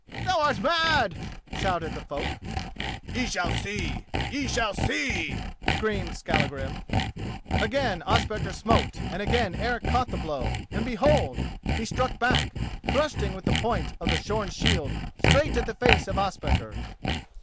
"Thou art mad!" shouted the folk. "Ye shall see! Ye shall see!" screamed Skallagrim. Again Ospakar smote and again Eric caught the blow; and behold! he struck back, thrusting with the point of the shorn shield straight at the face of Ospakar.